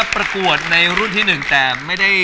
ประกวดในรุ่นที่๑แต่ไม่ได้